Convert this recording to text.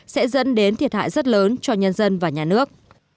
sẽ dẫn đến thiệt hại rất lớn cho nhân dân và nhà nước